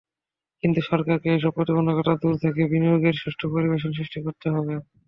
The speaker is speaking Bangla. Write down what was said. কিন্তু সরকারকে এসব প্রতিবন্ধকতা দূর করে বিনিয়োগের সুষ্ঠু পরিবেশ সৃষ্টি করতে হবে।